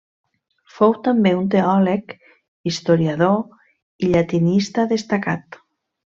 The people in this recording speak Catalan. Fou també un teòleg, historiador i llatinista destacat.